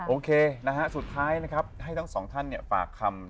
โอเคนะฮะสุดท้ายนะครับให้ทั้งสองท่านฝากคำ